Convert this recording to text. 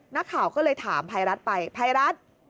นักข่าวก็เลยถามภัยรัฐไปภัยรัฐ